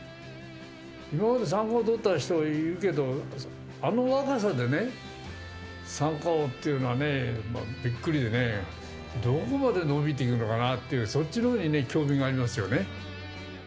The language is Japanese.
今まで三冠王取った人いるけど、あの若さでね、三冠王というのはびっくりでね、どこまで伸びていくのかなっていう、そっちのほうに興味がありま